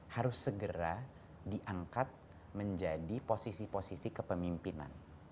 harus segera diangkat menjadi posisi posisi kepemimpinan